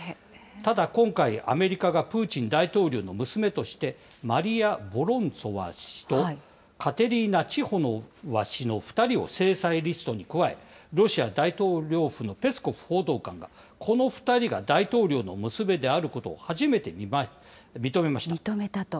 ただ、今回、アメリカがプーチン大統領の娘として、マリヤ・ボロンツォワ氏と、カテリーナ・チホノワ氏の２人を制裁リストに加え、ロシア大統領府のペスコフ報道官がこの２人が大統領の娘であるこ認めたと。